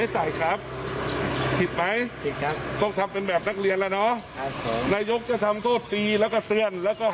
สิบซ้ายไปเลย